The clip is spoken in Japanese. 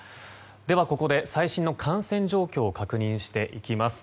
では、ここで最新の感染状況を確認していきます。